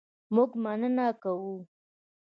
مونږ مننه کوو